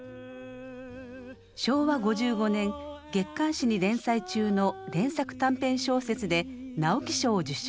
昭和５５年月刊誌に連載中の連作短編小説で直木賞を受賞。